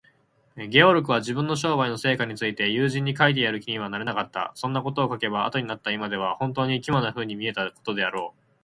ゲオルクは、自分の商売の成果について友人に書いてやる気にはなれなかった。そんなことを書けば、あとになった今では、ほんとうに奇妙なふうに見えたことであろう。